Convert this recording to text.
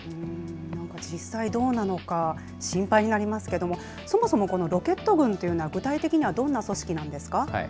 なんか実際どうなのか、心配になりますけれども、そもそもこのロケット軍というのは、具体的にはどんな組織なんですか？